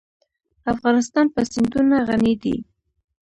افغانستان په سیندونه غني دی.